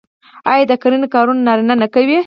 آیا د کرنې کارونه نارینه نه کوي؟